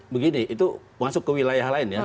begini itu masuk ke wilayah lain ya